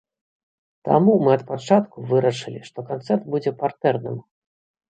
Таму мы ад пачатку вырашылі, што канцэрт будзе партэрным.